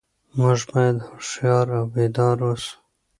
موږ باید هوښیار او بیدار اوسو.